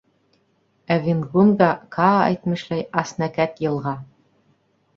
Ә Венгунга, Каа әйтмешләй, аснәкәт йылға...